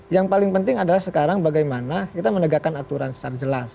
yang paling penting adalah sekarang bagaimana kita menegakkan aturan secara jelas